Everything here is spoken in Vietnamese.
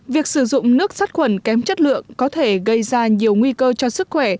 việc sử dụng nước sát khuẩn kém chất lượng có thể gây ra nhiều nguy cơ cho sức khỏe